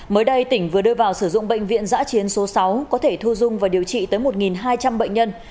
mới đây tỉnh vừa đưa vào sử dụng bệnh viện giã chiến số sáu có thể thu dung và điều trị tới một hai trăm linh bệnh nhân